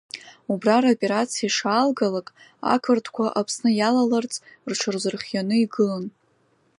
Убра роперациа ишаалгалак, ақырҭқәа, Аԥсны иала-ларц, рҽазырхианы игылан.